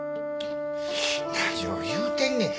何を言うてんねん。